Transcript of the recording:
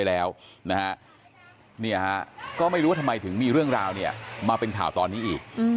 ทำไมถึงมีเรื่องราวเนี่ยมาเป็นถ่าวตอนนี้อีก